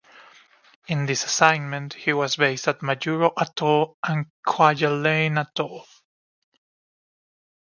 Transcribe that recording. In this assignment he was based at Majuro Atoll and Kwajalein Atoll.